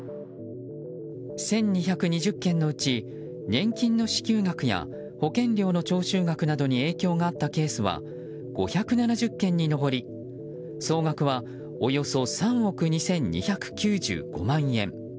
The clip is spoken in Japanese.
１２２０件のうち年金の支給額や保険料の徴収額などに影響があったケースは５７０件に上り総額は、およそ３億２２９５万円。